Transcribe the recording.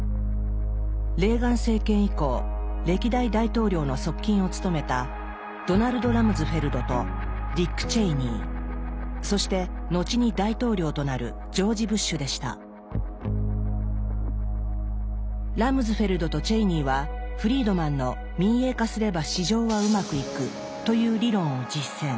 レーガン政権以降歴代大統領の側近を務めたそして後に大統領となるラムズフェルドとチェイニーはフリードマンの「民営化すれば市場はうまくいく」という理論を実践。